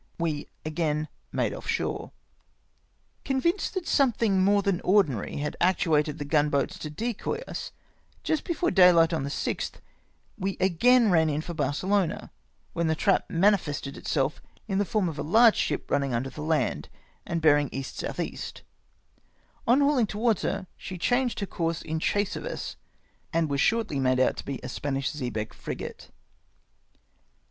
we again made off shore. Convinced that somethmg more than ordinary had actuated the gun boats to decoy us — just before day no ATTACK ON THE EL GAMO FRIGATE. lio; ht on tlic 6th we ao; ain ran in for Barcelona, when the trap manifested itself in the form of a large ship, rumiing nnder the land, and bearing E. S. E. On hauhng towards her, she changed her conrse in chase of us, and Avas shortly made out to be a Spanish xebec frisrate.